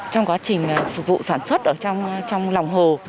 trong quá trình phục vụ sản xuất ở trong lòng hồ